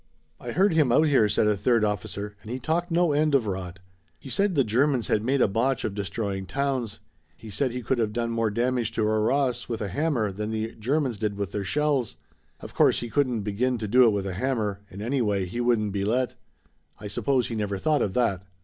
"I heard him out here," said a third officer, "and he talked no end of rot. He said the Germans had made a botch of destroying towns. He said he could have done more damage to Arras with a hammer than the Germans did with their shells. Of course, he couldn't begin to do it with a hammer, and, anyway, he wouldn't be let. I suppose he never thought of that.